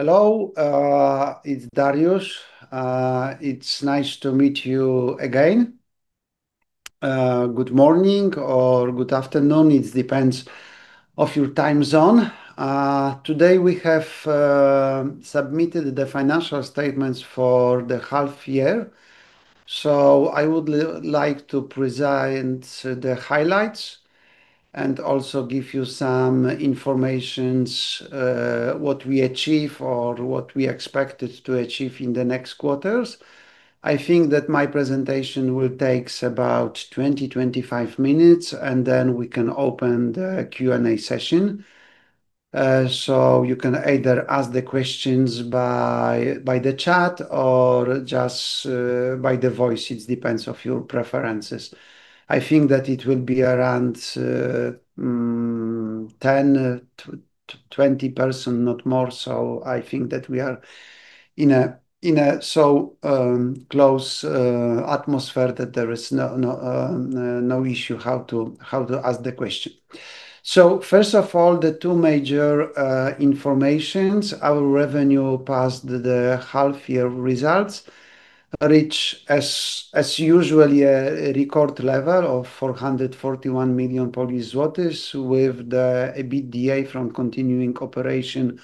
Hello, it's Dariusz. It's nice to meet you again. Good morning or good afternoon, it depends on your time zone. Today, we have submitted the financial statements for the half year. I would like to present the highlights and also give you some information, what we achieve or what we expected to achieve in the next quarters. I think that my presentation will take about 20, 25 minutes. We can open the Q&A session. You can either ask the questions by the chat or just by the voice, it depends on your preferences. I think that it will be around 10 to 20 persons, not more. I think that we are in a close atmosphere that there is no issue how to ask the question. First of all, the two major informations. Our revenue passed the half year results, which, as usually, a record level of 441 million with the EBITDA from continuing operation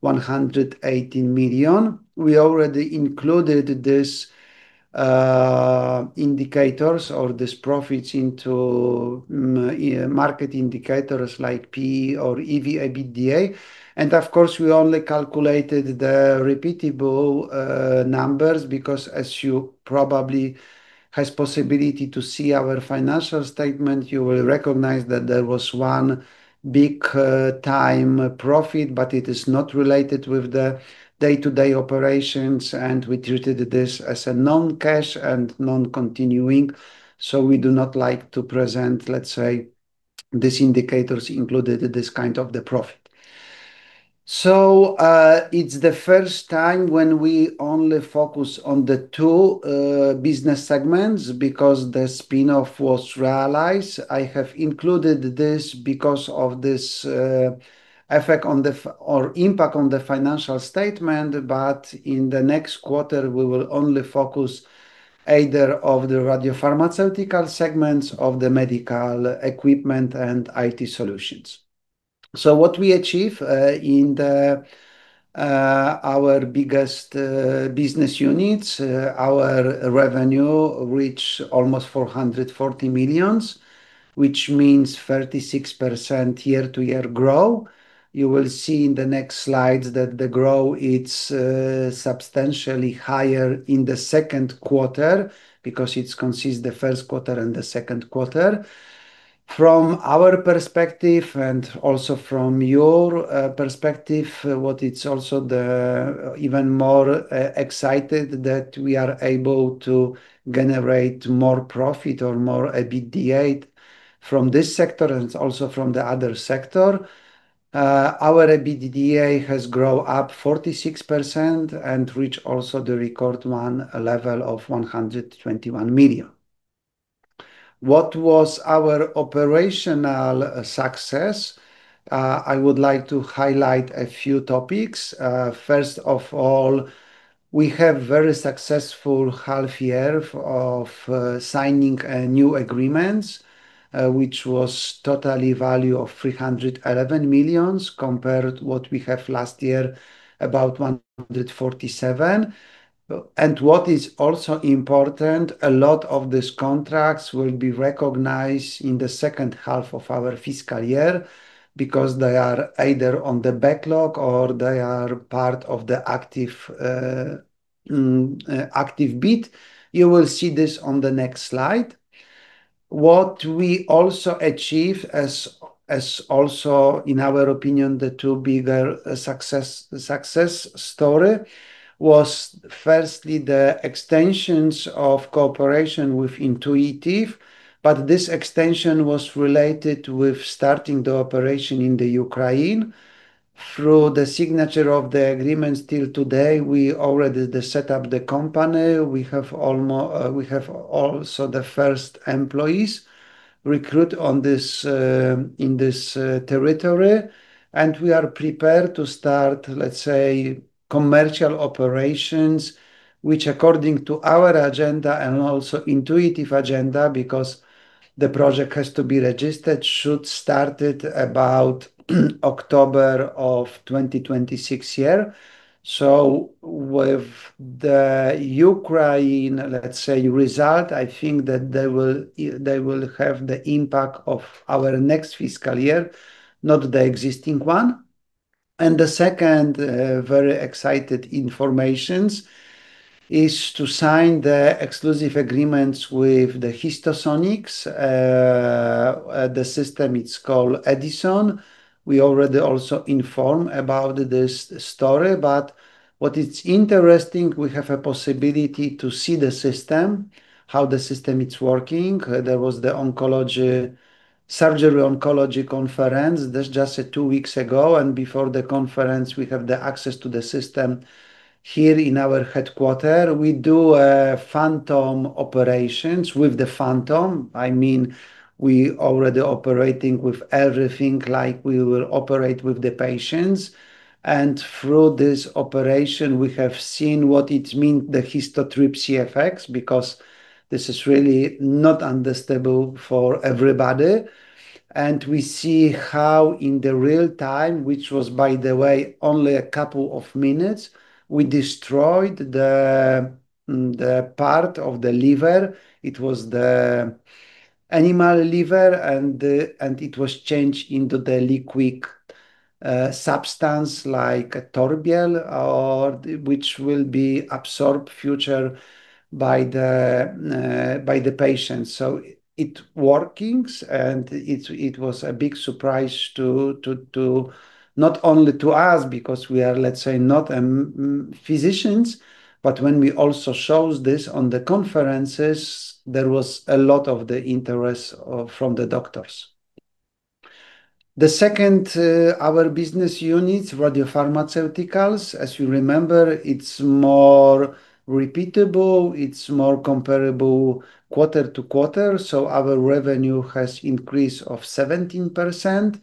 118 million. We already included these indicators or these profits into market indicators like P/E or EV/EBITDA. We only calculated the repeatable numbers because as you probably have possibility to see our financial statement, you will recognize that there was one big-time profit, but it is not related with the day-to-day operations, and we treated this as a non-cash and non-continuing. We do not like to present, let's say, these indicators included this kind of the profit. It's the first time when we only focus on the two business segments because the spin-off was realized. I have included this because of this effect or impact on the financial statement. In the next quarter, we will only focus either on the radiopharmaceutical segments of the medical equipment and IT solutions. What we achieve in our biggest business units, our revenue reach almost 440 million, which means 36% year-over-year growth. You will see in the next slides that the growth is substantially higher in the second quarter because it consists the first quarter and the second quarter. From our perspective and also from your perspective, what it's also even more exciting that we are able to generate more profit or more EBITDA from this sector and also from the other sector. Our EBITDA has grown up 46% and reached also the record one level of 121 million. What was our operational success? I would like to highlight a few topics. First of all, we have very successful half year of signing new agreements, which was totally value of 311 million compared what we have last year, about 147 million. What is also important, a lot of these contracts will be recognized in the second half of our fiscal year because they are either on the backlog or they are part of the active bit. You will see this on the next slide. What we also achieve, in our opinion, the two bigger success story was firstly the extensions of cooperation with Intuitive, but this extension was related with starting the operation in the Ukraine. Through the signature of the agreement till today, we already set up the company. We have also the first employees recruit in this territory, and we are prepared to start, let's say, commercial operations, which according to our agenda and also Intuitive agenda, because the project has to be registered, should start at about October of 2026 year. With Ukraine, let's say, result, I think that they will have the impact of our next fiscal year, not the existing one. The second very exciting information is to sign the exclusive agreements with HistoSonics. The system is called Edison. We already also informed about this story, but what is interesting, we have a possibility to see the system, how the system is working. There was the Surgical Oncology Conference just two weeks ago, and before the conference, we have the access to the system. Here in our headquarter, we do phantom operations with the phantom. We already operating with everything like we will operate with the patients. Through this operation, we have seen what it means, the histotripsy effects, because this is really not understandable for everybody. We see how in the real-time, which was, by the way, only a couple of minutes, we destroyed the part of the liver. It was the animal liver, and it was changed into the liquid substance like a turbid, which will be absorbed future by the patient. It workings, and it was a big surprise not only to us because we are, let's say, not physicians, but when we also shows this on the conferences, there was a lot of the interest from the doctors. The second, our business units, radiopharmaceuticals. As you remember, it's more repeatable. It's more comparable quarter-to-quarter. Our revenue has increased of 17%,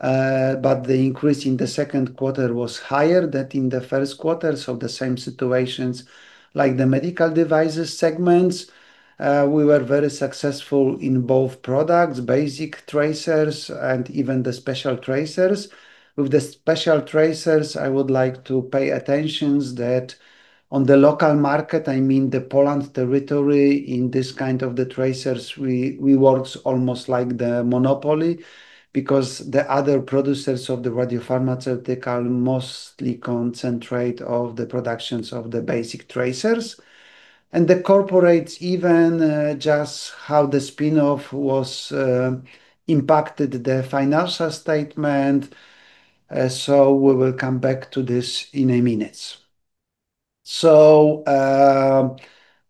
but the increase in the second quarter was higher than in the first quarter. The same situations like the medical devices segments. We were very successful in both products, basic tracers, and even the special tracers. With the special tracers, I would like to pay attentions that on the local market, I mean the Poland territory, in this kind of the tracers, we works almost like the monopoly because the other producers of the radiopharmaceutical mostly concentrate of the productions of the basic tracers. The corporates even just how the spin-off was impacted the financial statement. We will come back to this in a minute.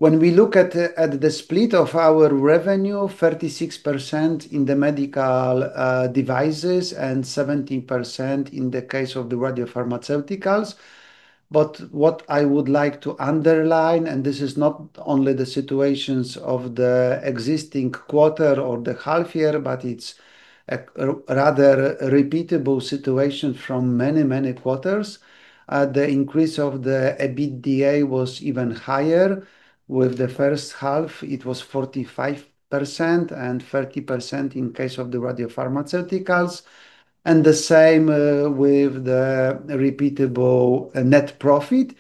When we look at the split of our revenue, 36% in the medical devices and 17% in the case of the radiopharmaceuticals. What I would like to underline, and this is not only the situations of the existing quarter or the half year, but it's a rather repeatable situation from many quarters. The increase of the EBITDA was even higher. With the first half, it was 45% and 30% in case of the radiopharmaceuticals, and the same with the repeatable net profit.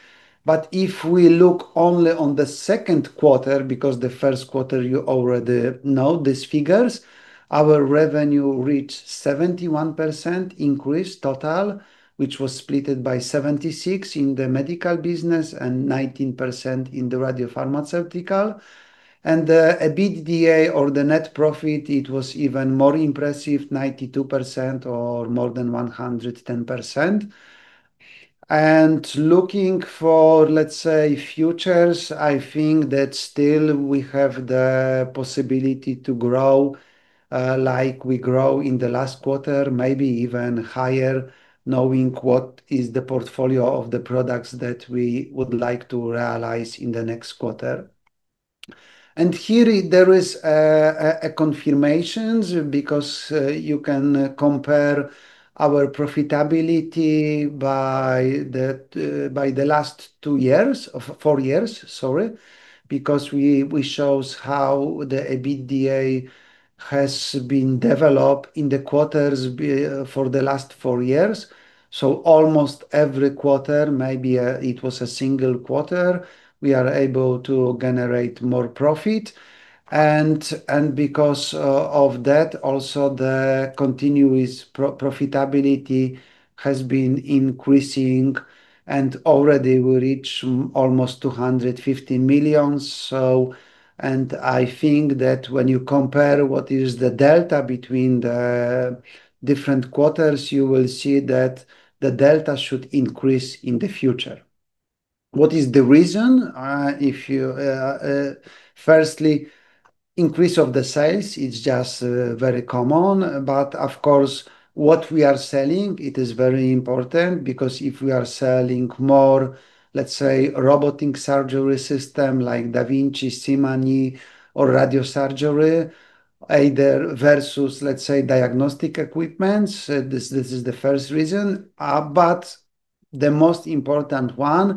If we look only on the second quarter, because the first quarter you already know these figures, our revenue reached 71% increase total, which was splitted by 76% in the medical business and 19% in the radiopharmaceutical. The EBITDA or the net profit, it was even more impressive, 92% or more than 110%. Looking for, let's say, futures, I think that still we have the possibility to grow like we grow in the last quarter, maybe even higher, knowing what is the portfolio of the products that we would like to realize in the next quarter. Here there is a confirmations because you can compare our profitability by the last two years or four years, sorry, because we shows how the EBITDA has been developed in the quarters for the last four years. Almost every quarter, maybe it was a single quarter, we are able to generate more profit. Because of that, also the continuous profitability has been increasing and already we reach almost 250 million. I think that when you compare what is the delta between the different quarters, you will see that the delta should increase in the future. What is the reason? Firstly, increase of the sales is just very common. Of course, what we are selling, it is very important because if we are selling more, let's say, robotic surgery system like da Vinci, Symani, or radiosurgery, either versus, let's say, diagnostic equipments, this is the first reason. The most important one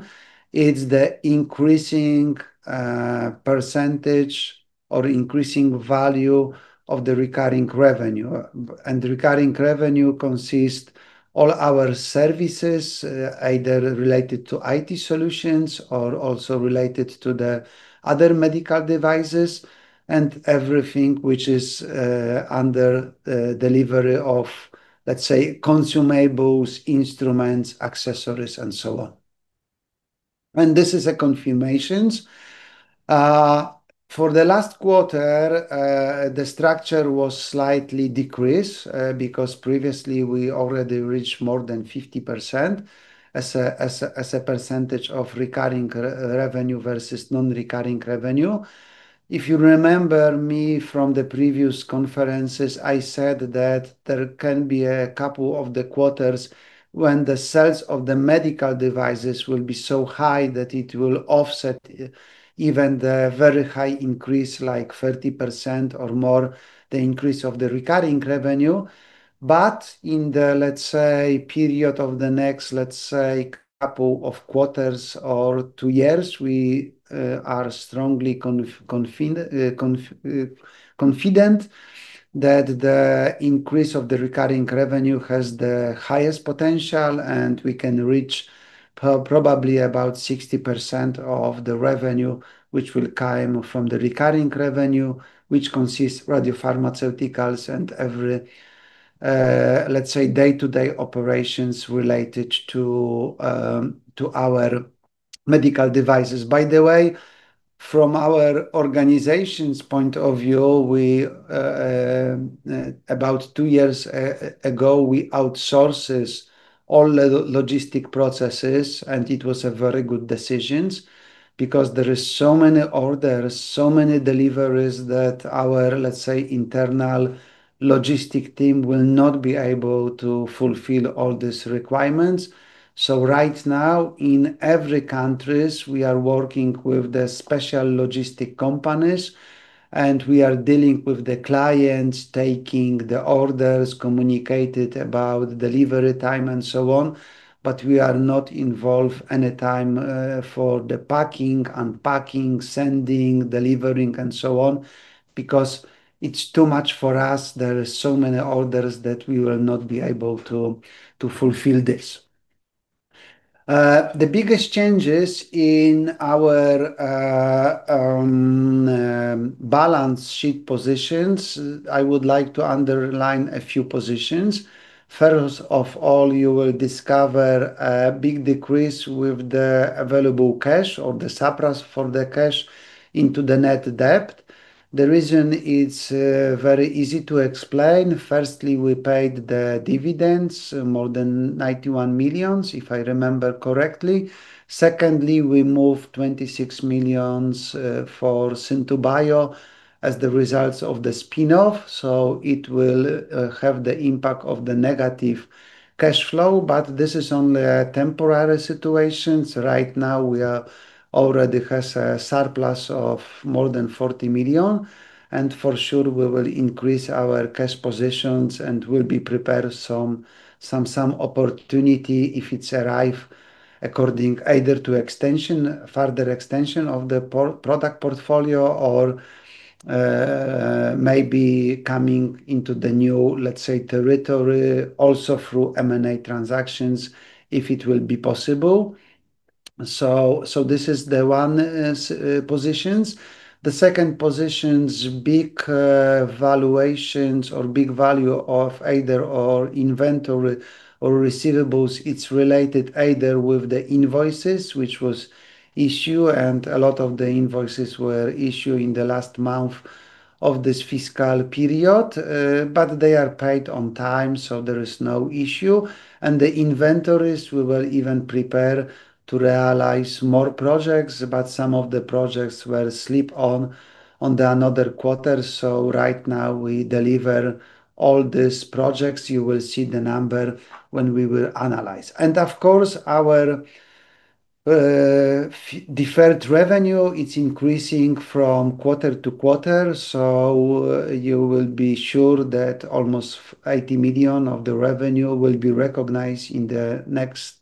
is the increasing percentage or increasing value of the recurring revenue. Recurring revenue consist all our services, either related to IT solutions or also related to the other medical devices and everything which is under delivery of, let's say, consumables, instruments, accessories, and so on. This is a confirmations. For the last quarter, the structure was slightly decreased, because previously we already reached more than 50% as a percentage of recurring revenue versus non-recurring revenue. If you remember from the previous conferences, I said that there can be a couple of the quarters when the sales of the medical devices will be so high that it will offset even the very high increase, like 30% or more, the increase of the recurring revenue. In the period of the next couple of quarters or two years, we are strongly confident that the increase of the recurring revenue has the highest potential, and we can reach probably about 60% of the revenue, which will come from the recurring revenue, which consists radiopharmaceuticals and every day-to-day operations related to our medical devices. By the way, from our organization's point of view, about two years ago, we outsources all logistic processes, and it was a very good decisions, because there is so many orders, so many deliveries that our internal logistic team will not be able to fulfill all these requirements. Right now, in every countries, we are working with the special logistic companies, and we are dealing with the clients, taking the orders, communicated about delivery time and so on, but we are not involved any time for the packing, unpacking, sending, delivering, and so on, because it's too much for us. There is so many orders that we will not be able to fulfill this. The biggest changes in our balance sheet positions, I would like to underline a few positions. First of all, you will discover a big decrease with the available cash or the surplus for the cash into the net debt. The reason it is very easy to explain. Firstly, we paid the dividends more than 91 million, if I remember correctly. Secondly, we moved 26 million for Syn2bio as the result of the spin-off, so it will have the impact of the negative cash flow, but this is only a temporary situation. Right now, we already have a surplus of more than 40 million, and for sure, we will increase our cash position and will be prepared some opportunity if it arrives according either to further extension of the product portfolio or maybe coming into the new territory also through M&A transactions, if it will be possible. This is the one position. The second position, big valuations or big value of either our inventory or receivables. It is related either with the invoices, which were issued, and a lot of the invoices were issued in the last month of this fiscal period, but they are paid on time, so there is no issue. The inventories, we were even prepared to realize more projects, but some of the projects were slipped to another quarter. Right now we deliver all these projects. You will see the number when we will analyze. Of course, our deferred revenue, it is increasing from quarter to quarter. You will be sure that almost 80 million of the revenue will be recognized in the next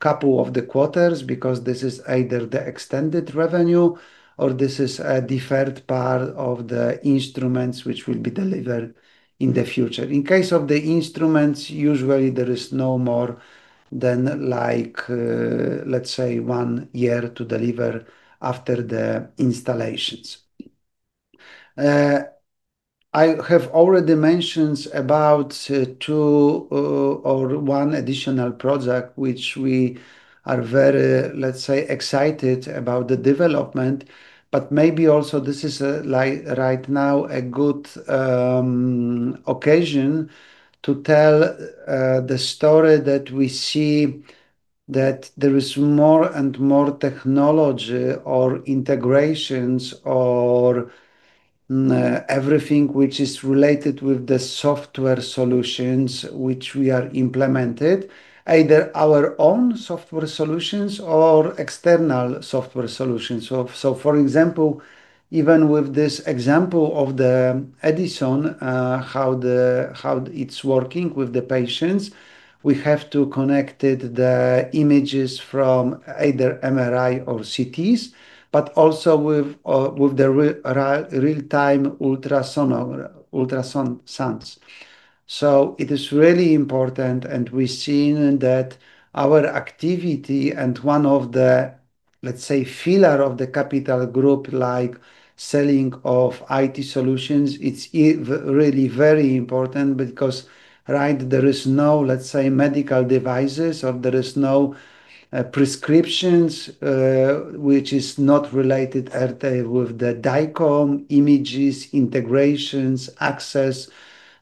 couple of quarters because this is either the extended revenue or this is a deferred part of the instruments which will be delivered in the future. In case of the instruments, usually there is no more than one year to deliver after the installation. I have already mentioned about two or one additional project which we are very excited about the development. Maybe also this is right now a good occasion to tell the story that we see that there is more and more technology or integrations or everything which is related with the software solutions which we are implementing, either our own software solutions or external software solutions. For example, even with this example of the Edison, how it is working with the patients, we have to connect the images from either MRI or CTs, but also with the real-time ultrasound. It is really important. We have seen that our activity and one of the, let's say, pillars of the capital group, like selling of IT solutions, it is really very important because there is no medical devices or there are no prescriptions, which is not related with the DICOM images, integrations, access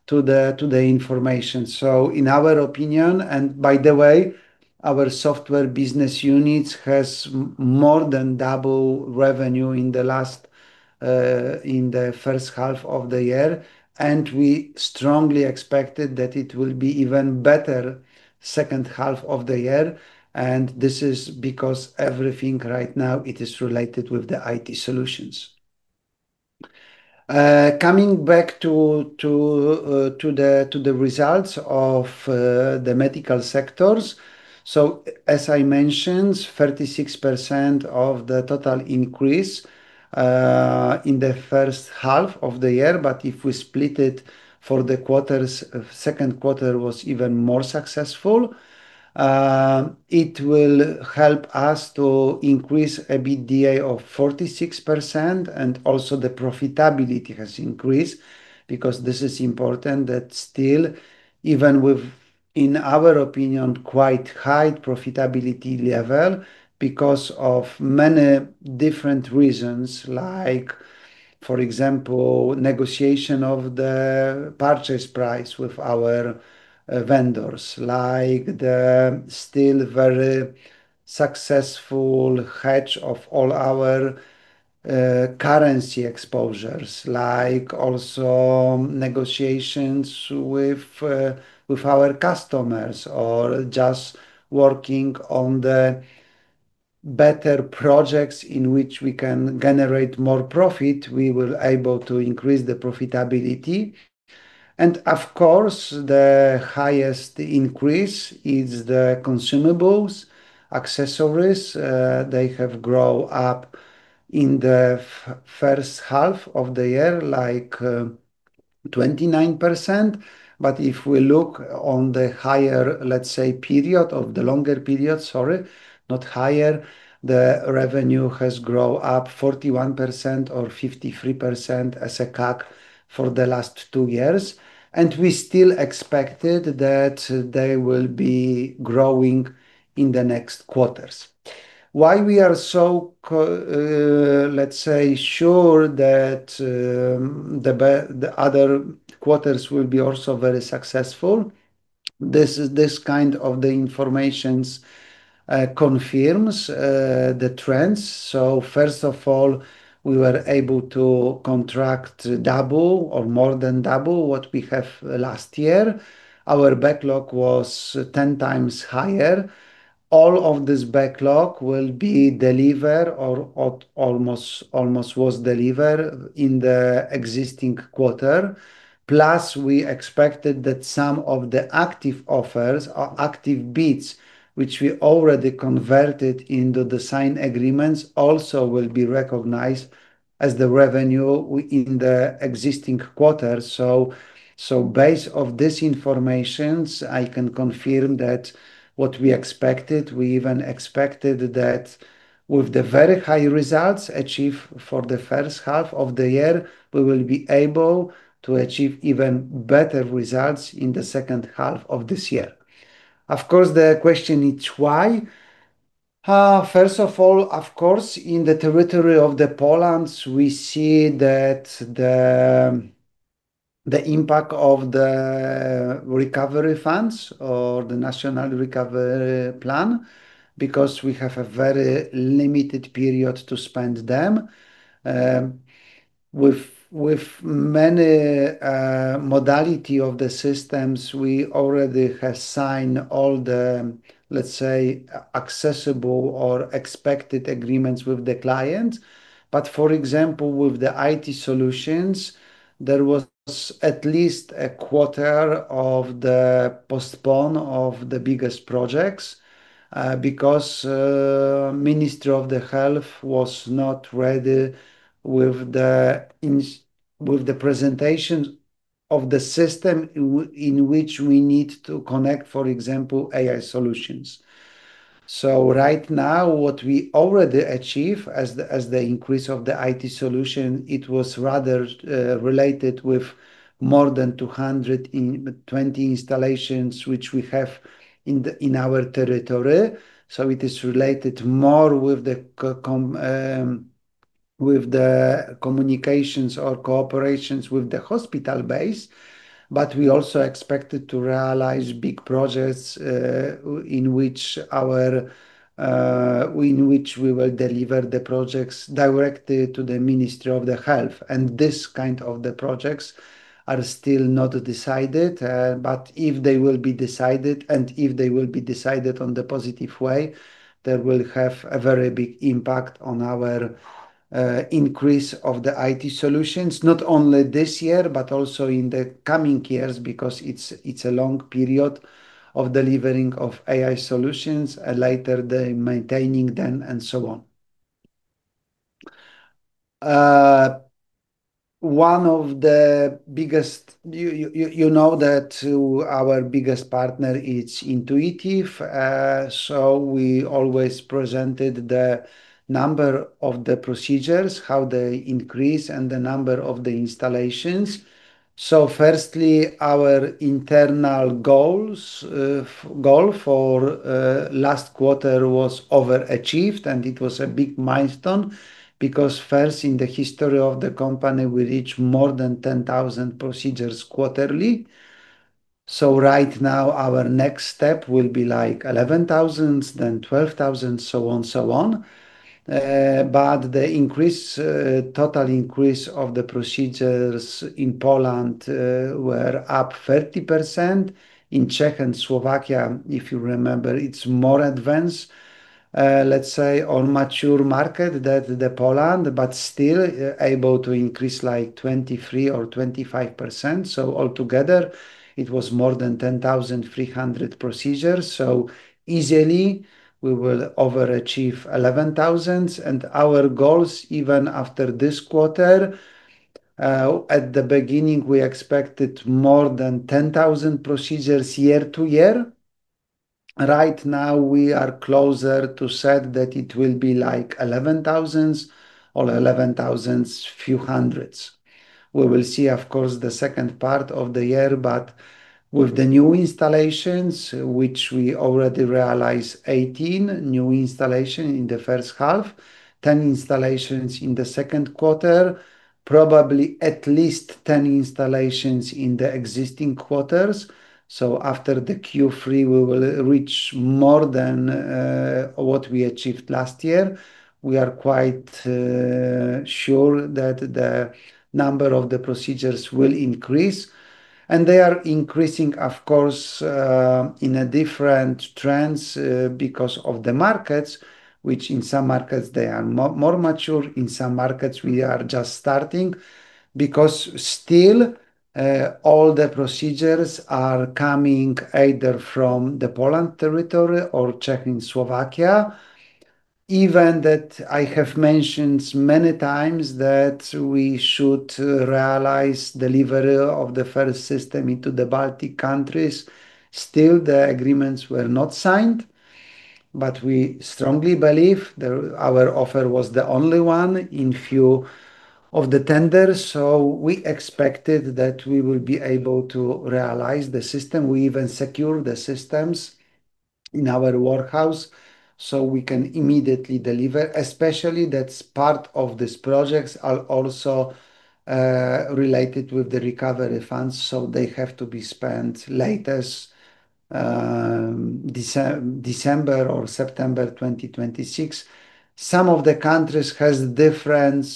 to the information. In our opinion, by the way, our software business units have more than double revenue in the first half of the year, and we strongly expect that it will be even better second half of the year. This is because everything right now, it is related with the IT solutions. Coming back to the results of the medical sectors. As I mentioned, 36% of the total increase in the first half of the year, if we split it for the quarters, second quarter was even more successful. It will help us to increase EBITDA of 46%, also the profitability has increased, because this is important that still, even with, in our opinion, quite high profitability level because of many different reasons, like for example, negotiation of the purchase price with our vendors, like the still very successful hedge of all our currency exposures, like also negotiations with our customers, or just working on the better projects in which we can generate more profit, we were able to increase the profitability. Of course, the highest increase is the consumables, accessories. They have grown up in the first half of the year, like 29%. If we look on the longer period, the revenue has grown up 41% or 53% as a CAGR for the last two years, we still expected that they will be growing in the next quarters. Why we are so sure that the other quarters will be also very successful? This kind of information confirms the trends. First of all, we were able to contract double or more than double what we have last year. Our backlog was 10 times higher. All of this backlog will be delivered or almost was delivered in the existing quarter. Plus, we expected that some of the active offers or active bids, which we already converted into the signed agreements, also will be recognized as the revenue in the existing quarter. Based on this information, I can confirm that what we expected, we even expected that with the very high results achieved for the first half of the year, we will be able to achieve even better results in the second half of this year. Of course, the question is, why? First of all, of course, in the territory of Poland, we see that the impact of the recovery funds or the National Recovery Plan, because we have a very limited period to spend them. With many modality of the systems, we already have signed all the accessible or expected agreements with the client. For example, with the IT solutions, there was at least a quarter of the postpone of the biggest projects, because, Ministry of Health was not ready with the presentation of the system in which we need to connect, for example, AI solutions. Right now, what we already achieve as the increase of the IT solution, it was rather related with more than 220 installations which we have in our territory. It is related more with the communications or cooperations with the hospital base. We also expected to realize big projects in which we will deliver the projects directly to the Ministry of Health. This kind of the projects are still not decided. If they will be decided, and if they will be decided on the positive way, they will have a very big impact on our increase of the IT solutions, not only this year, but also in the coming years, because it's a long period of delivering of AI solutions, later the maintaining them and so on. You know that our biggest partner is Intuitive. We always presented the number of the procedures, how they increase, and the number of the installations. Firstly, our internal goal for last quarter was over-achieved, it was a big milestone because first in the history of the company, we reached more than 10,000 procedures quarterly. Right now, our next step will be 11,000, then 12,000, so on. The total increase of the procedures in Poland were up 30%. In Czech and Slovakia, if you remember, it is more advanced, let's say, or mature market than Poland, but still able to increase 23% or 25%. Altogether, it was more than 10,300 procedures. Easily, we will overachieve 11,000. Our goals, even after this quarter, at the beginning, we expected more than 10,000 procedures year-to-year. Right now, we are closer to say that it will be 11,000 or 11,000 few hundreds. We will see, of course, the second part of the year, but with the new installations, which we already realized 18 new installations in the first half, 10 installations in the second quarter, probably at least 10 installations in the existing quarters. After the Q3, we will reach more than what we achieved last year. We are quite sure that the number of the procedures will increase, and they are increasing, of course, in different trends because of the markets, which in some markets, they are more mature. In some markets, we are just starting because still all the procedures are coming either from the Poland territory or Czech and Slovakia. Even that I have mentioned many times that we should realize delivery of the first system into the Baltic countries. Still, the agreements were not signed, but we strongly believe that our offer was the only one in few of the tenders. We expected that we will be able to realize the system. We even secured the systems in our warehouse so we can immediately deliver, especially that part of these projects are also related with the recovery funds, so they have to be spent latest December or September 2026. Some of the countries have different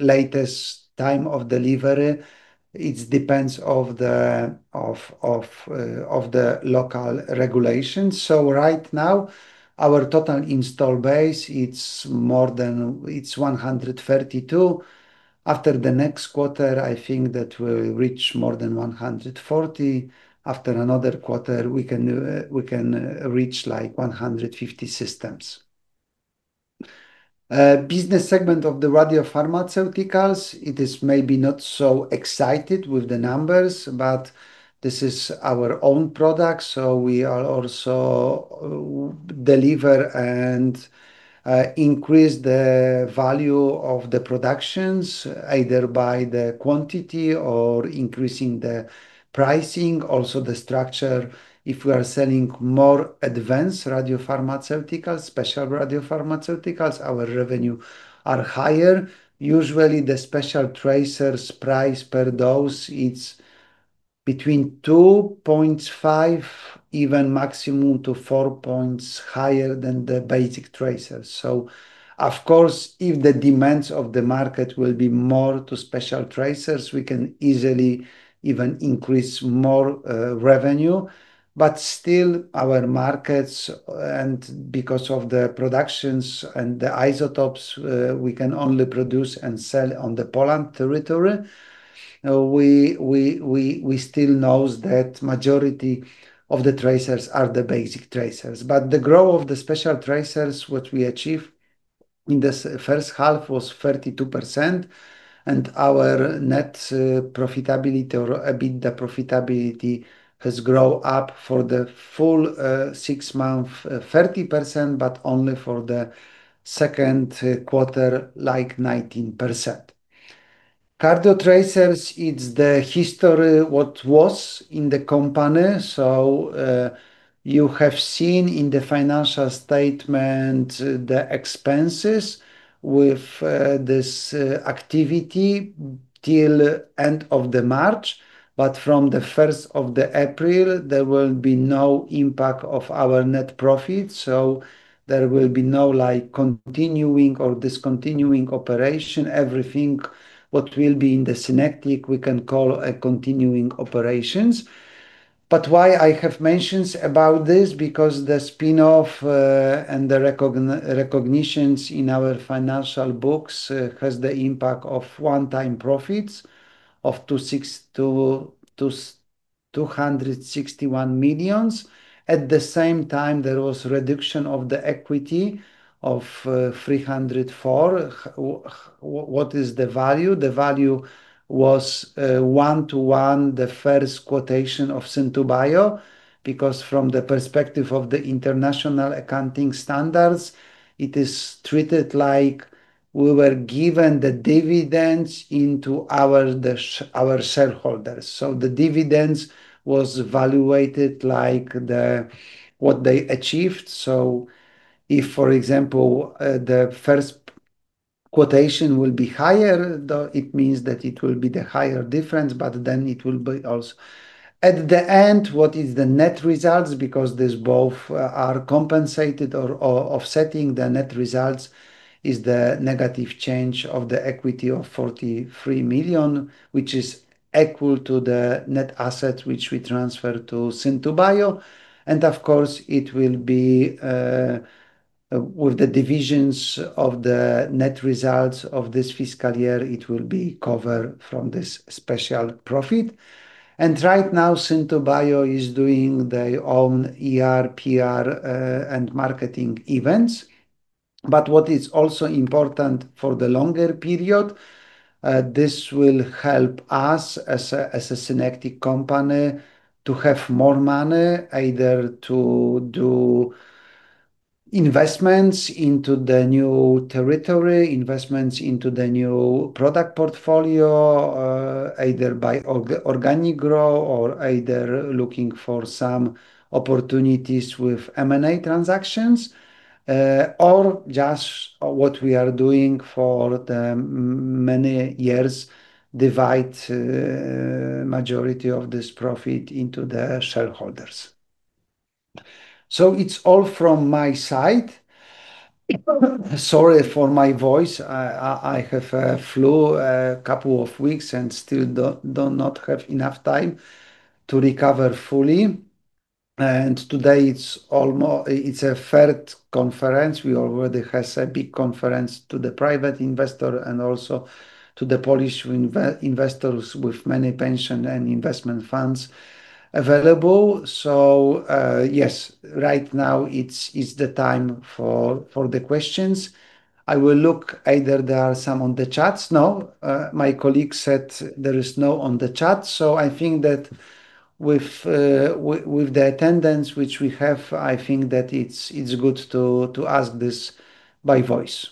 latest time of delivery. It depends on the local regulations. Right now, our total install base is 132. After the next quarter, I think that we will reach more than 140. After another quarter, we can reach 150 systems. Business segment of the radiopharmaceuticals, it is maybe not so exciting with the numbers, but this is our own product, so we also deliver and increase the value of the productions, either by the quantity or increasing the pricing. Also the structure, if we are selling more advanced radiopharmaceuticals, special radiopharmaceuticals, our revenue is higher. Usually, the special tracers price per dose is between 2.5, even maximum to four points higher than the basic tracers. Of course, if the demands of the market will be more to special tracers, we can easily even increase more revenue. Still, our markets, and because of the productions and the isotopes we can only produce and sell on the Poland territory, we still know that majority of the tracers are the basic tracers. The growth of the special tracers, what we achieved in this first half was 32%, and our net profitability, or EBITA profitability has grown up for the full six months, 30%, but only for the second quarter, 19%. Cardio tracers is the history what was in the company. You have seen in the financial statement the expenses with this activity until the end of March. From the 1st of April, there will be no impact of our net profit, there will be no continuing or discontinuing operation. Everything what will be in Synektik, we can call a continuing operations. Why I have mentioned about this? Because the spin-off and the recognitions in our financial books has the impact of one-time profits of 261 million. At the same time, there was reduction of the equity of 304 million. What is the value? The value was one to one, the first quotation of Syn2bio, because from the perspective of the International Financial Reporting Standards, it is treated like we were given the dividends into our shareholders. The dividends was valuated like what they achieved. If, for example, the first quotation will be higher, it means that it will be the higher difference, but then it will be also. At the end, what is the net results, because these both are compensated or offsetting the net results, is the negative change of the equity of 43 million, which is equal to the net asset which we transfer to Syn2bio. Of course, it will be with the divisions of the net results of this fiscal year, it will be cover from this special profit. Right now Syn2bio is doing their own ER, PR, and marketing events. What is also important for the longer period, this will help us as a Synektik company to have more money, either to do investments into the new territory, investments into the new product portfolio, either by organic growth or either looking for some opportunities with M&A transactions, or just what we are doing for the many years, divide majority of this profit into the shareholders. It's all from my side. Sorry for my voice. I have a flu a couple of weeks and still do not have enough time to recover fully. Today it's a third conference. We already has a big conference to the private investor and also to the Polish investors with many pension and investment funds available. Yes, right now it's the time for the questions. I will look either there are some on the chats. No. My colleague said there is no on the chat. I think that with the attendance which we have, I think that it's good to ask this by voice.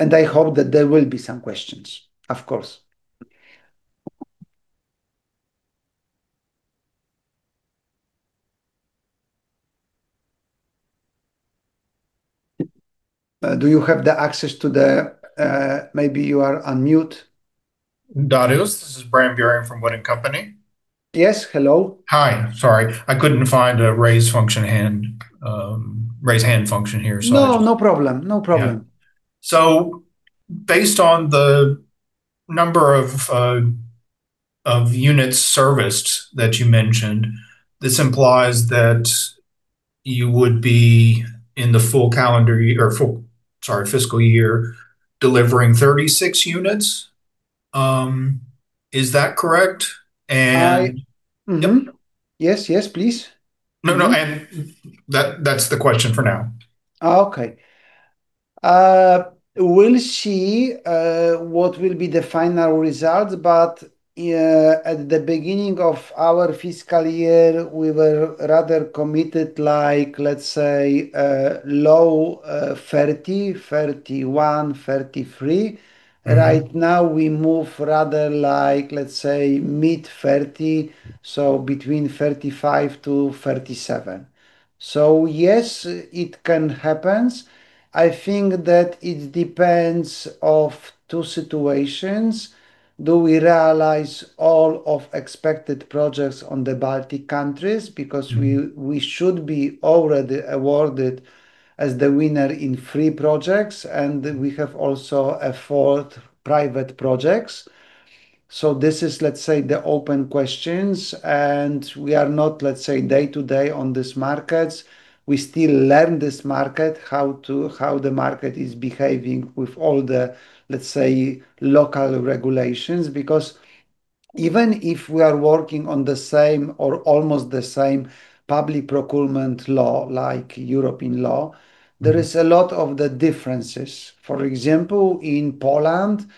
I hope that there will be some questions, of course. Do you have the access to the? Maybe you are on mute. Dariusz, this is Bram Buring from WOOD & Company. Yes, hello. Hi. Sorry, I couldn't find a raise function hand, raise hand function here. No, no problem. No problem. Based on the number of units serviced that you mentioned, this implies that you would be in the full calendar year, or full, sorry, fiscal year, delivering 36 units. Is that correct? Yes. Yes, please. Mm-hmm. No, no. That's the question for now. Okay. We'll see what will be the final result, but at the beginning of our fiscal year, we were rather committed like, let's say, low 30, 31, 33. Right now we move rather like, let's say, mid 30, between 35-37. Yes, it can happens. I think that it depends of two situations. Do we realize all of expected projects on the Baltic countries? Because we should be already awarded as the winner in three projects, and we have also a fourth private project. This is, let's say, the open questions, and we are not, let's say, day-to-day on this markets. We still learn this market, how the market is behaving with all the, let's say, local regulations, because even if we are working on the same or almost the same Public Procurement Law like European Union law, there is a lot of the differences. For example, in Poland,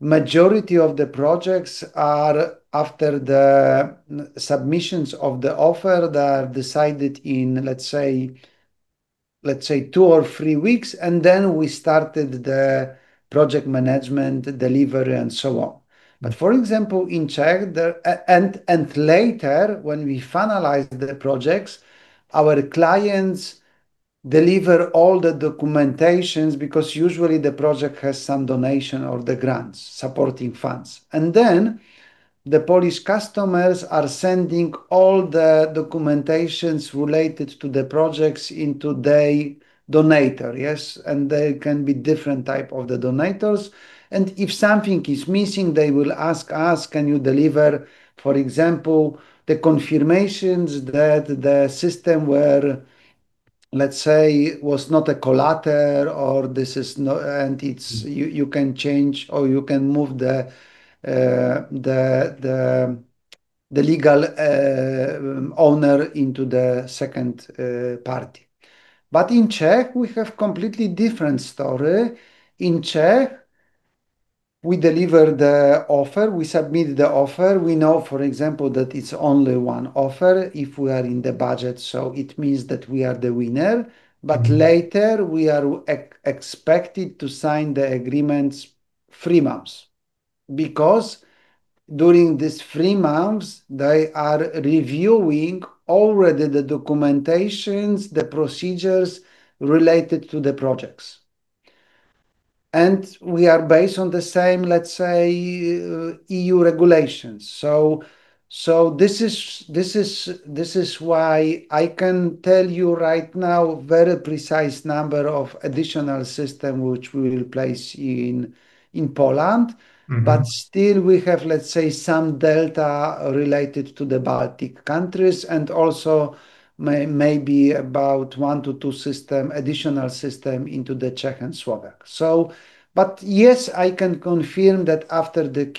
majority of the projects are after the submissions of the offer that are decided in, let's say, two or three weeks, and then we started the project management delivery and so on. For example, in Czech, and later when we finalized the projects, our clients deliver all the documentations because usually the project has some donation or grants, supporting funds. Then the Polish customers are sending all the documentations related to the projects into their donator. Yes. They can be different type of the donators. If something is missing, they will ask us, Can you deliver, for example, the confirmations that the system was not a collater or you can change or you can move the legal owner into the second party. In Czech, we have completely different story. In Czech, we deliver the offer, we submit the offer. We know, for example, that it's only one offer if we are in the budget, so it means that we are the winner. Later, we are expected to sign the agreements three months. During these three months, they are reviewing already the documentations, the procedures related to the projects. We are based on the same, let's say, EU regulations. This is why I can tell you right now very precise number of additional system which we will place in Poland. Still we have, let's say, some delta related to the Baltic countries, also maybe about one to two additional system into the Czech and Slovak. Yes, I can confirm that after the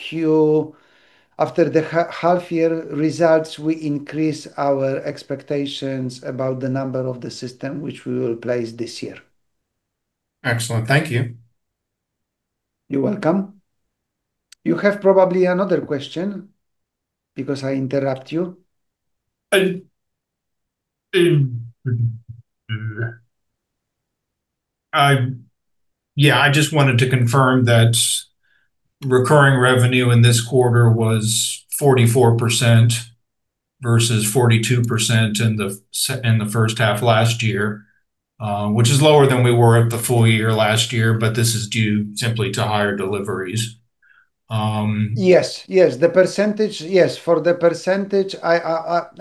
half-year results, we increase our expectations about the number of the system which we will place this year. Excellent. Thank you. You're welcome. You have probably another question because I interrupt you. Yeah. I just wanted to confirm that recurring revenue in this quarter was 44% versus 42% in the first half last year, which is lower than we were at the full year last year, this is due simply to higher deliveries. Yes. For the percentage, I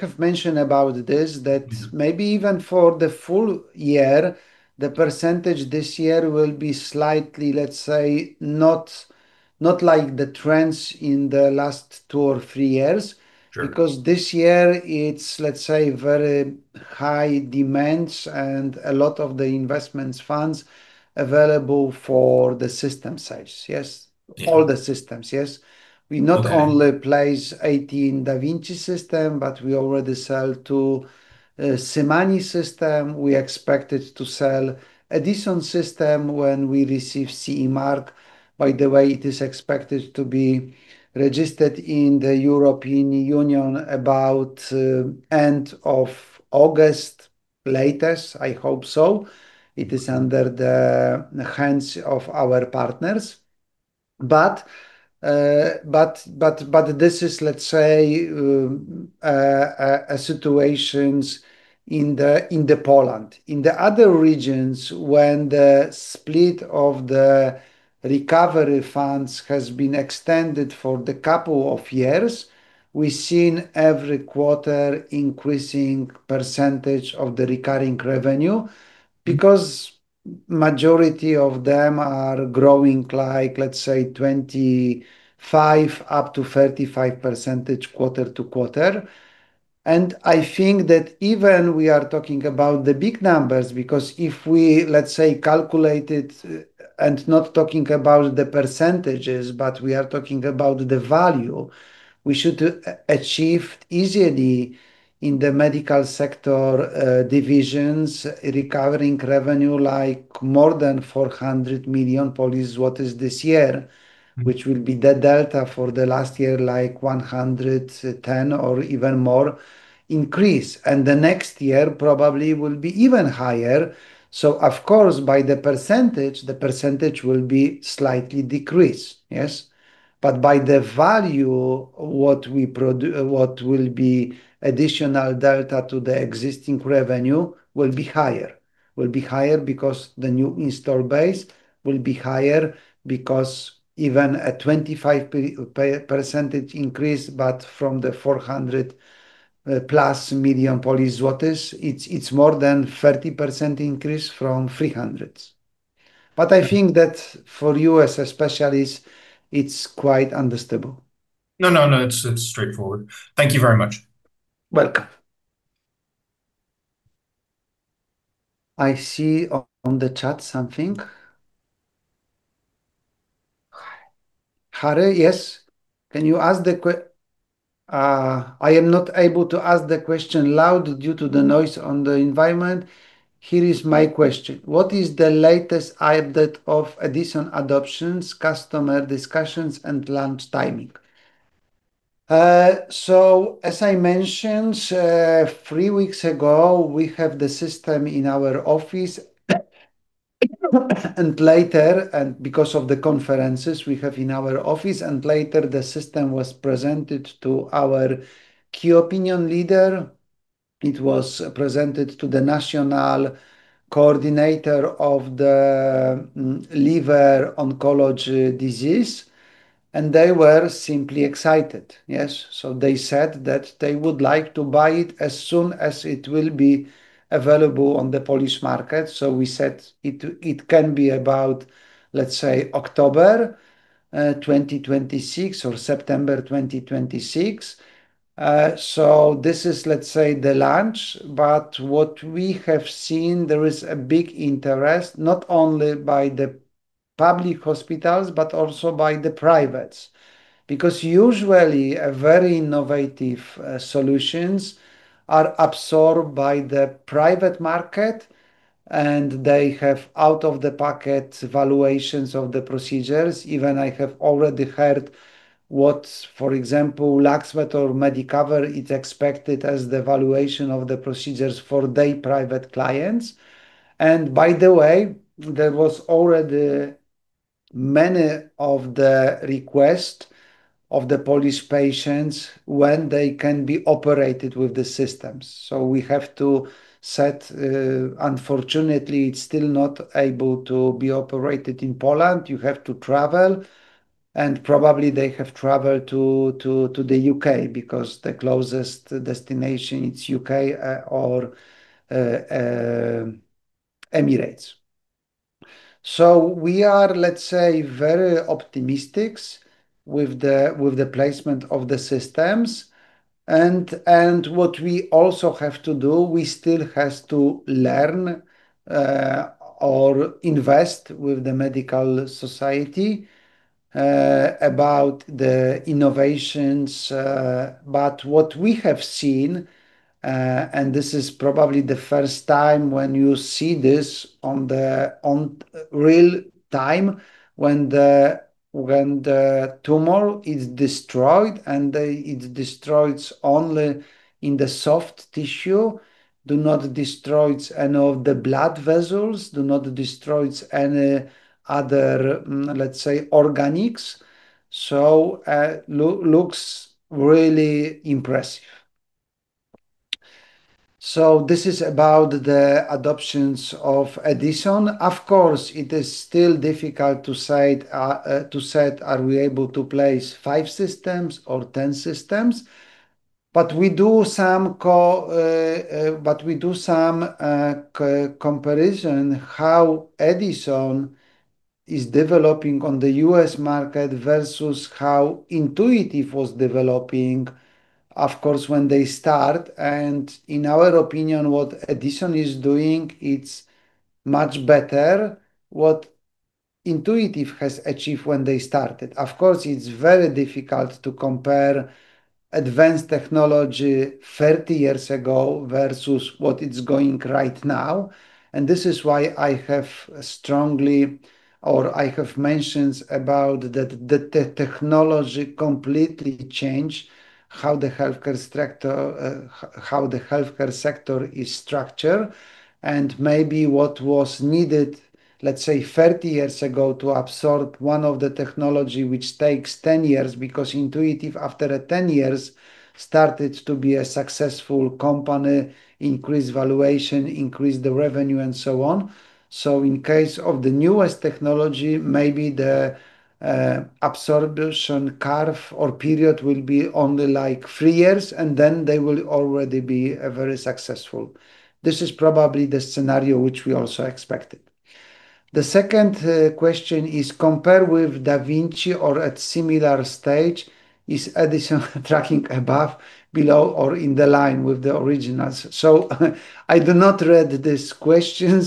have mentioned about this, that maybe even for the full year, the percentage this year will be slightly, let's say, not like the trends in the last two or three years. Sure. This year it's, let's say, very high demand and a lot of the investment funds available for the system sales. Yes. All the systems. Yes. We not only placed 18 da Vinci systems, but we already sold two Symani systems. We expect to sell additional systems when we receive CE mark. By the way, it is expected to be registered in the European Union about end of August at the latest, I hope so. It is under the hands of our partners. This is, let's say, a situation in Poland. In the other regions, when the split of the recovery funds has been extended for the couple of years, we've seen every quarter increasing percentage of the recurring revenue because majority of them are growing like, let's say, 25% up to 35% quarter-over-quarter. I think that even we are talking about the big numbers, because if we, let's say, calculate it and not talk about the percentages, but we talk about the value, we should achieve easily in the medical sector divisions, recurring revenue like more than 400 million this year, which will be the delta for last year, like 110 million or even more increase. The next year probably will be even higher. Of course, by the percentage, the percentage will be slightly decreased. Yes. By the value, what will be additional delta to the existing revenue will be higher. Will be higher because the new install base will be higher because even a 25% increase, but from the 400+ million, it's more than 30% increase from 300 million. I think that for you as a specialist, it's quite understandable. No, it's straightforward. Thank you very much. Welcome. I see on the chat something. Harry, yes. "I am not able to ask the question loud due to the noise on the environment. Here is my question. What is the latest update of Edison adoptions, customer discussions, and launch timing?" As I mentioned, three weeks ago, we have the system in our office and later because of the conferences we have in our office, the system was presented to our key opinion leader. It was presented to the national coordinator of the liver oncology disease, and they were simply excited. Yes. They said that they would like to buy it as soon as it will be available on the Polish market. We said it can be about, let's say, October 2026 or September 2026. This is, let's say, the launch, what we have seen, there is a big interest, not only by the public hospitals, but also by the privates. Because usually, very innovative solutions are absorbed by the private market, and they have out-of-the-packet valuations of the procedures. Even I have already heard what, for example, LUX MED or Medicover is expected as the valuation of the procedures for their private clients. By the way, there was already many of the request of the Polish patients when they can be operated with the systems. We have to set, unfortunately, it's still not able to be operated in Poland. You have to travel, and probably they have traveled to the U.K. because the closest destination, it's U.K. or Emirates. We are, let's say, very optimistic with the placement of the systems and what we also have to do, we still have to learn or invest with the medical society about the innovations. What we have seen, and this is probably the first time when you see this on real time, when the tumor is destroyed, and it destroys only in the soft tissue, do not destroys any of the blood vessels, do not destroys any other, let's say, organics. Looks really impressive. This is about the adoptions of Edison. Of course, it is still difficult to set are we able to place five systems or 10 systems. We do some comparison how Edison is developing on the U.S. market versus how Intuitive was developing, of course, when they start. In our opinion, what Edison is doing, it's much better what Intuitive has achieved when they started. Of course, it's very difficult to compare advanced technology 30 years ago versus what is going right now. This is why I have strongly, or I have mentions about that the technology completely change how the healthcare sector is structured and maybe what was needed, let's say, 30 years ago to absorb one of the technology which takes 10 years because Intuitive, after 10 years, started to be a successful company, increased valuation, increased the revenue, and so on. In case of the newest technology, maybe the absorption curve or period will be only three years, and then they will already be very successful. This is probably the scenario which we also expected. The second question is compare with da Vinci or at similar stage, is Edison tracking above, below, or in the line with the originals? I do not read these questions,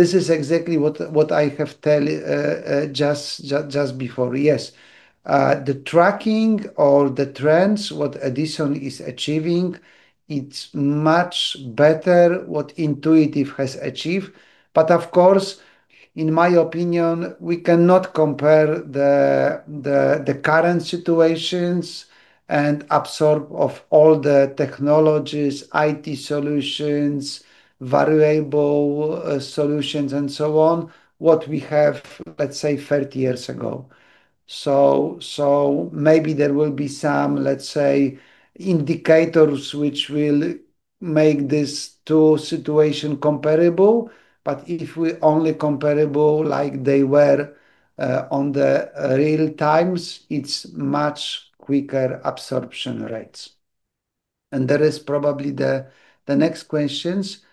this is exactly what I have talked just before. Yes. The tracking or the trends, what Edison is achieving, it's much better what Intuitive has achieved. Of course, in my opinion, we cannot compare the current situations and absorb of all the technologies, IT solutions, variable solutions and so on, what we have, let's say, 30 years ago. Maybe there will be some, let's say, indicators which will make these two situation comparable, if we only comparable like they were on the real times, it's much quicker absorption rates. There is probably the next questions.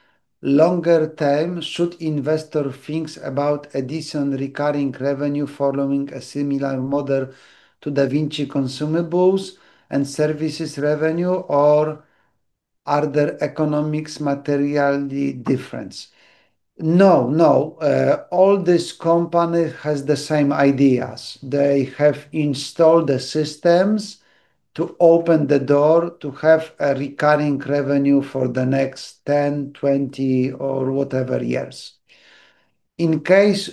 Longer term, should investor thinks about Edison recurring revenue following a similar model to da Vinci consumables and services revenue, or are there economics materially difference? No. All this company has the same ideas. They have installed the systems to open the door to have a recurring revenue for the next 10, 20, or whatever years.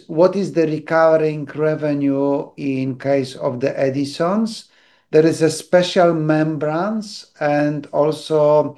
What is the recurring revenue in case of the Edison? There is a special membranes also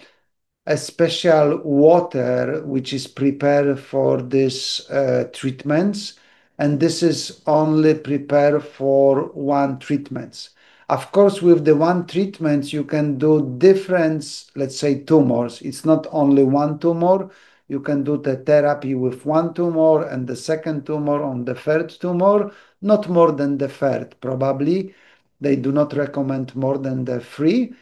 a special water which is prepared for this treatments, this is only prepared for one treatments. Of course, with the one treatments, you can do different, let's say, tumors. It's not only one tumor. You can do the therapy with one tumor the second tumor, on the third tumor, not more than the third, probably. They do not recommend more than the three,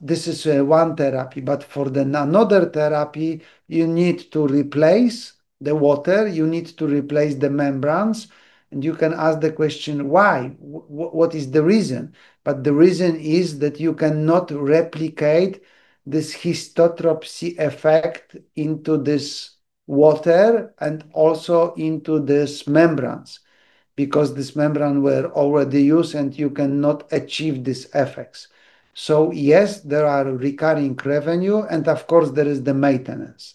this is one therapy. For another therapy, you need to replace the water, you need to replace the membranes, you can ask the question, why? What is the reason? The reason is that you cannot replicate this histotripsy effect into this water into these membranes, this membrane were already used, you cannot achieve these effects. Yes, there are recurring revenue, of course, there is the maintenance.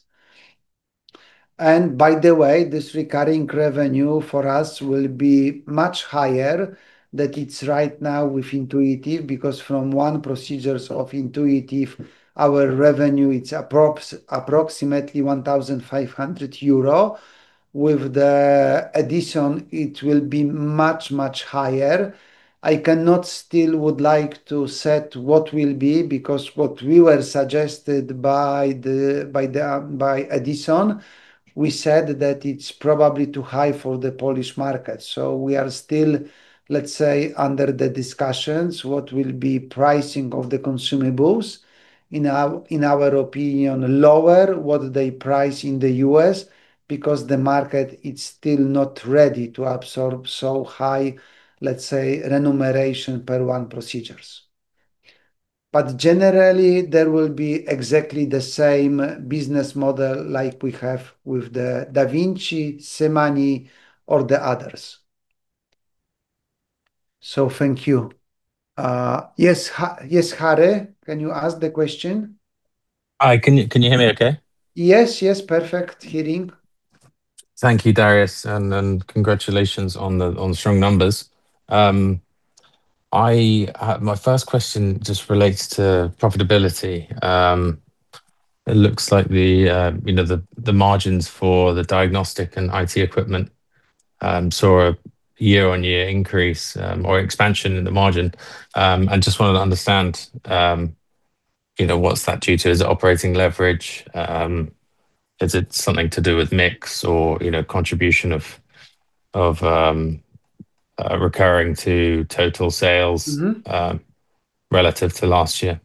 By the way, this recurring revenue for us will be much higher than it's right now with Intuitive, from one procedures of Intuitive, our revenue, it's approximately 1,500 euro. With the Edison, it will be much, much higher. I cannot still would like to set what will be, what we were suggested by Edison, we said that it's probably too high for the Polish market. We are still, let's say, under the discussions, what will be pricing of the consumables. In our opinion, lower what they price in the U.S. the market is still not ready to absorb so high, let's say, remuneration per one procedures. Generally, there will be exactly the same business model like we have with the da Vinci, Symani, or the others. Thank you. Yes, Harry, can you ask the question? Hi. Can you hear me okay? Yes, yes, perfect hearing. Thank you, Dariusz, and congratulations on strong numbers. My first question just relates to profitability. It looks like the margins for the diagnostic and IT equipment saw a year-on-year increase or expansion in the margin. I just wanted to understand, what's that due to? Is it operating leverage? Is it something to do with mix or contribution of recurring to total sales relative to last year?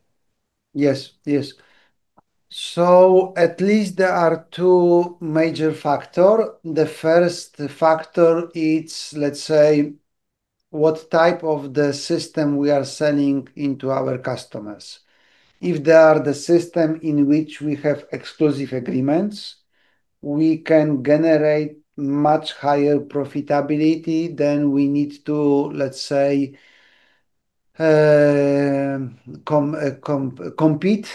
Yes. At least there are two major factors. The first factor is, let's say, what type of the system we are selling into our customers. If they are the systems in which we have exclusive agreements, we can generate much higher profitability than we need to, let's say, compete.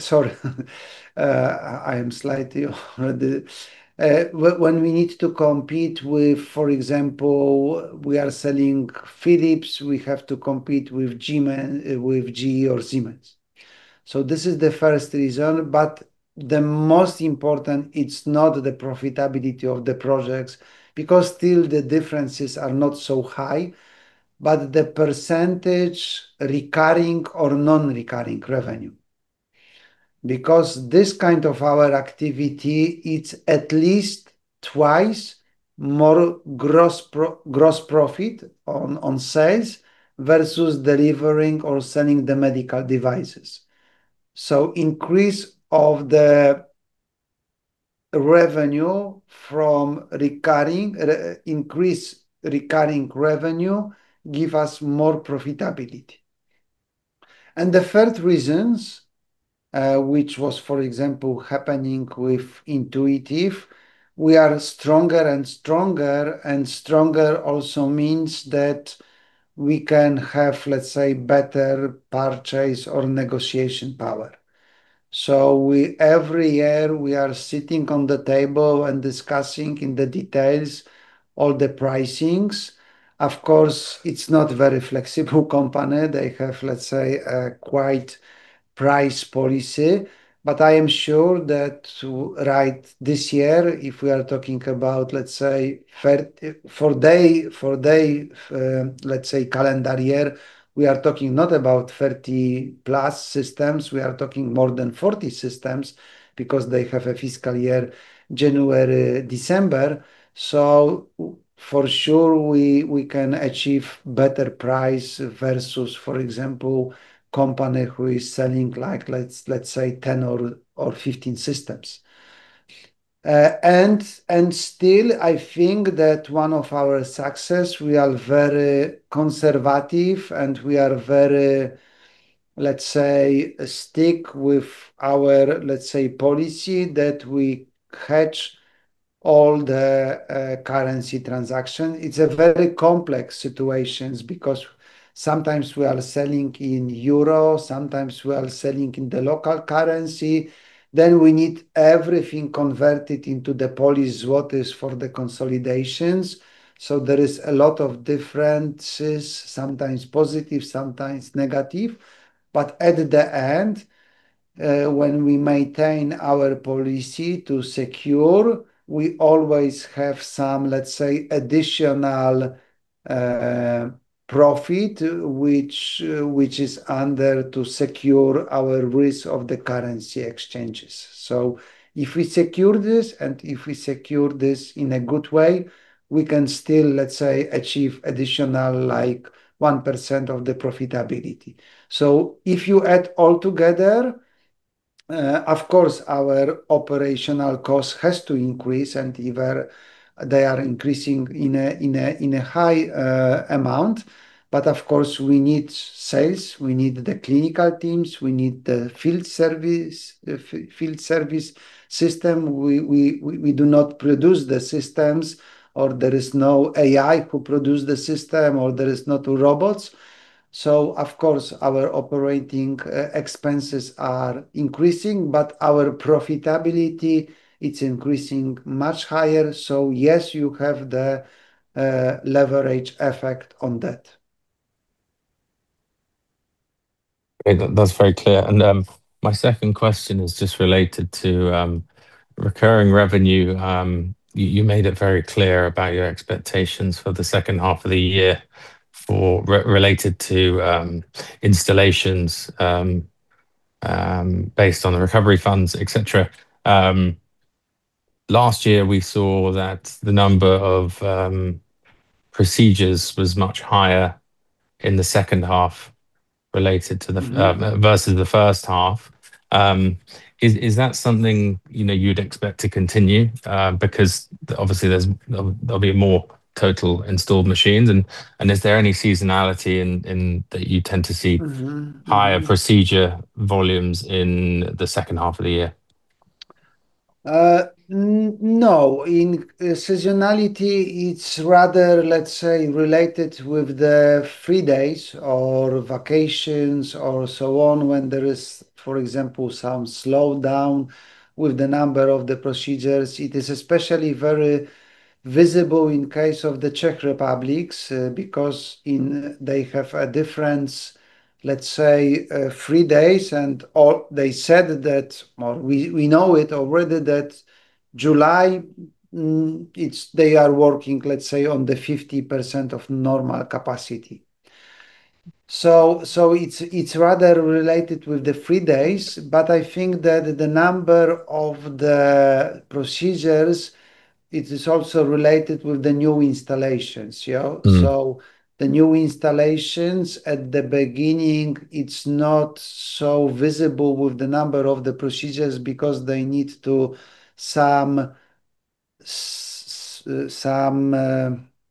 Sorry. When we need to compete with, for example, we are selling Philips, we have to compete with GE or Siemens. This is the first reason, but the most important, it is not the profitability of the projects, because still the differences are not so high, but the percentage recurring or non-recurring revenue. Because this kind of our activity, it is at least twice more gross profit on sales versus delivering or selling the medical devices. Increased recurring revenue gives us more profitability. The third reason, which was, for example, happening with Intuitive, we are stronger and stronger, and stronger also means that we can have, let's say, better purchase or negotiation power. Every year, we are sitting on the table and discussing in the details all the pricings. Of course, it is not a very flexible company. They have, let's say, quite a price policy. I am sure that right this year, if we are talking about, let's say, calendar year, we are talking not about 30+ systems, we are talking more than 40 systems because they have a fiscal year, January, December. For sure, we can achieve better price versus, for example, a company who is selling, let's say, 10 or 15 systems. Still, I think that one of our successes, we are very conservative, and we are very, let's say, strict with our policy that we hedge all the currency transactions. It is a very complex situation because sometimes we are selling in euro, sometimes we are selling in the local currency, then we need everything converted into the Polish zlotys for the consolidations. There is a lot of differences, sometimes positive, sometimes negative. At the end, when we maintain our policy to secure, we always have some, let's say, additional profit, which is under to secure our risk of the currency exchanges. If we secure this and if we secure this in a good way, we can still, let's say, achieve additional 1% of the profitability. If you add all together, of course, our operational costs have to increase, and they are increasing in a high amount. Of course, we need sales, we need the clinical teams, we need the field service system. We do not produce the systems, or there is no AI who produces the system, or there are no robots. Of course, our operating expenses are increasing, but our profitability, it is increasing much higher. Yes, you have the leverage effect on that. Okay, that's very clear. My second question is just related to recurring revenue. You made it very clear about your expectations for the second half of the year related to installations based on the recovery funds, et cetera. Last year, we saw that the number of procedures was much higher in the second half versus the first half. Is that something you'd expect to continue? Obviously, there'll be more total installed machines. Is there any seasonality in that you tend to see higher procedure volumes in the second half of the year? No. In seasonality, it's rather, let's say, related with the free days or vacations or so on, when there is, for example, some slowdown with the number of the procedures. It is especially very visible in case of the Czech Republic's, because they have a difference, let's say, free days and they said that, or we know it already, that July they are working, let's say, on the 50% of normal capacity. It's rather related with the free days, but I think that the number of the procedures, it is also related with the new installations. The new installations at the beginning, it's not so visible with the number of the procedures because they need to some.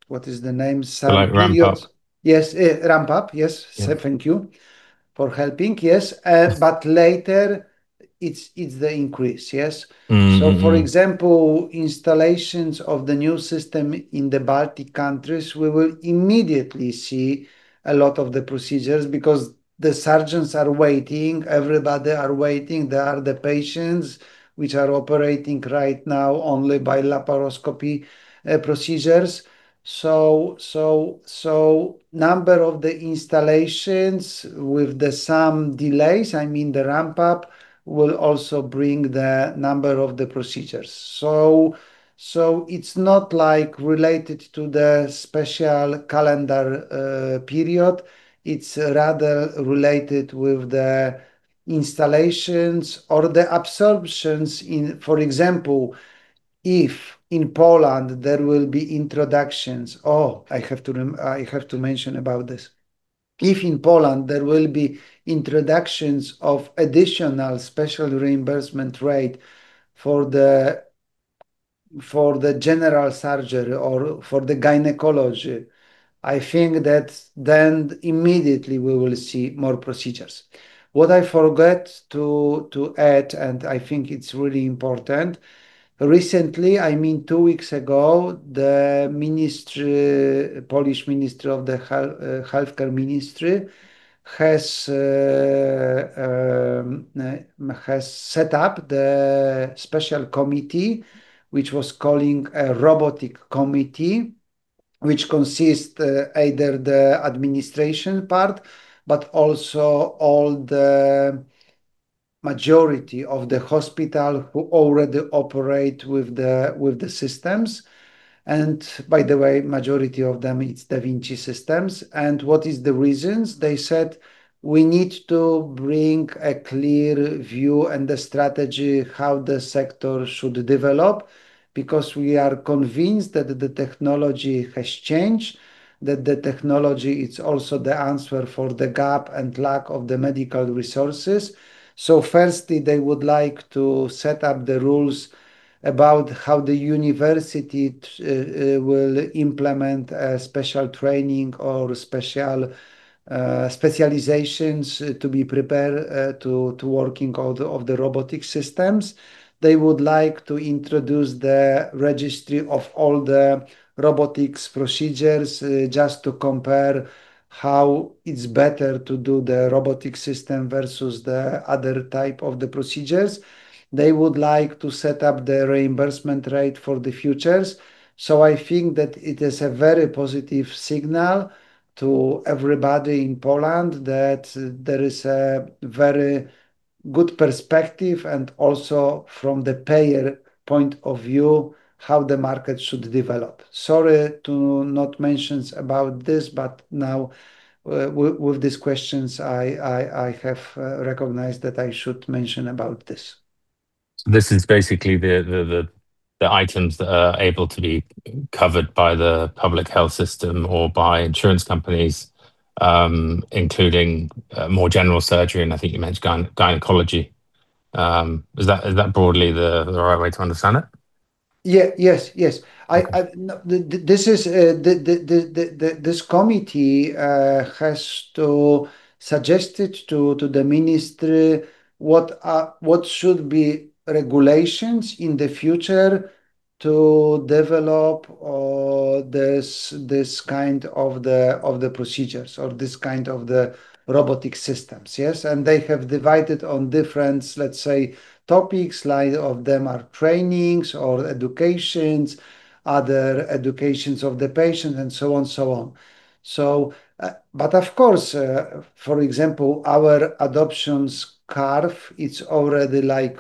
Like ramp up. Yes, ramp up. Yes. Yeah. Thank you for helping. Yes. Later, it's the increase, yes? For example, installations of the new system in the Baltic countries, we will immediately see a lot of the procedures because the surgeons are waiting, everybody are waiting. There are the patients which are operating right now only by laparoscopy procedures. Number of the installations with some delays, I mean the ramp up, will also bring the number of the procedures. It's not related to the special calendar period. It's rather related with the installations or the absorptions in, for example, if in Poland there will be introductions. I have to mention about this. If in Poland there will be introductions of additional special reimbursement rate for the general surgery or for the gynecology, I think that then immediately we will see more procedures. What I forgot to add, and I think it's really important, recently, I mean two weeks ago, the Polish Minister of Health has set up the special committee, which was calling a robotic committee, which consists either the administration part, but also all the majority of the hospitals who already operate with the systems. By the way, majority of them, it's da Vinci systems. What are the reasons? They said we need to bring a clear view and the strategy how the sector should develop, because we are convinced that the technology has changed, that the technology is also the answer for the gap and lack of the medical resources. Firstly, they would like to set up the rules about how the university will implement a special training or specializations to be prepared to working with the robotic systems. They would like to introduce the registry of all the robotics procedures, just to compare how it's better to do the robotic system versus the other type of the procedures. They would like to set up the reimbursement rate for the future. I think that it is a very positive signal to everybody in Poland that there is a very good perspective and also from the payer point of view, how the market should develop. Sorry to not mention about this, but now with these questions, I have recognized that I should mention about this. This is basically the items that are able to be covered by the public health system or by insurance companies, including more general surgery, and I think you mentioned gynecology. Is that broadly the right way to understand it? Yes. This committee has to suggest it to the Ministry of Health what should be regulations in the future to develop this kind of the procedures or this kind of the robotic systems. Yes. They have divided on different, let's say, topics, like of them are trainings or educations, other educations of the patient, and so on. But of course, for example, our adoptions curve, it's already like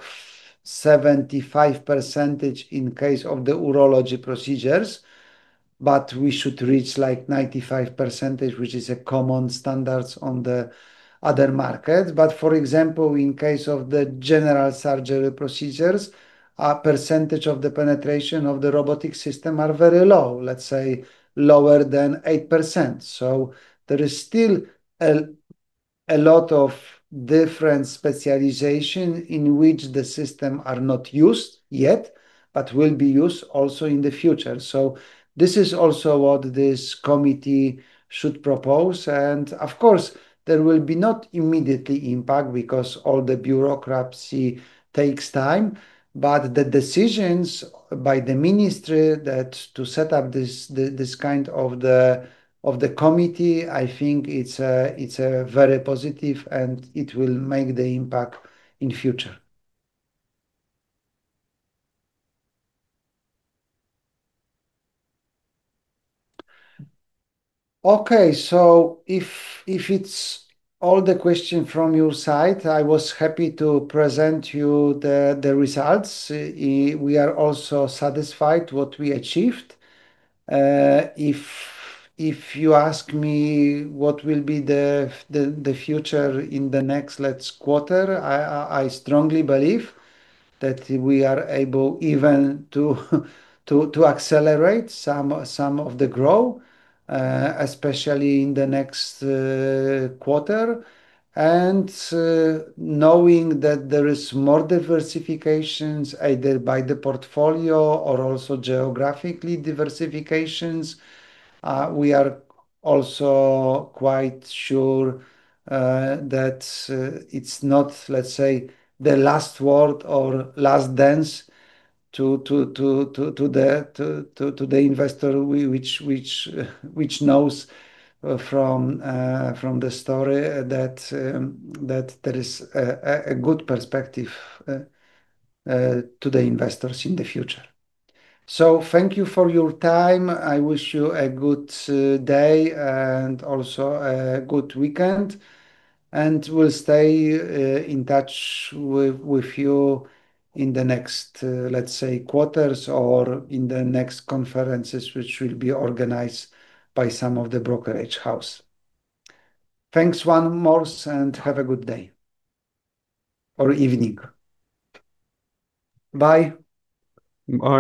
75% in case of the urology procedures, but we should reach like 95%, which is a common standards on the other markets. But for example, in case of the general surgery procedures, a percentage of the penetration of the robotic system are very low, let's say lower than 8%. There is still a lot of different specialization in which the system are not used yet, but will be used also in the future. This is also what this committee should propose, and of course, there will not be immediate impact because all the bureaucracy takes time. The decisions by the Ministry of Health that to set up this kind of the committee, I think it's very positive, and it will make the impact in future. Okay. If it's all the question from your side, I was happy to present you the results. We are also satisfied what we achieved. If you ask me what will be the future in the next, let's quarter, I strongly believe that we are able even to accelerate some of the growth, especially in the next quarter. Knowing that there is more diversifications, either by the portfolio or also geographically diversifications, we are also quite sure that it's not, let's say, the last word or last dance to the investor which knows from the story that there is a good perspective to the investors in the future. Thank you for your time. I wish you a good day and also a good weekend, and we'll stay in touch with you in the next, let's say, quarters or in the next conferences, which will be organized by some of the brokerage house. Thanks one more, and have a good day or evening. Bye. Bye